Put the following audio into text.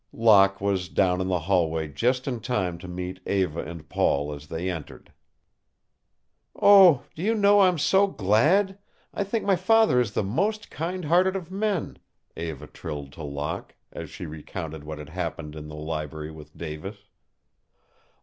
Locke was down in the hallway just in time to meet Eva and Paul as they entered. "Oh do you know, I'm so glad I think my father is the most kind hearted of men," Eva trilled to Locke, as she recounted what had happened in the library with Davis.